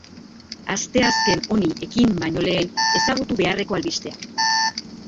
Asteazken honi ekin baino lehen ezagutu beharreko albisteak.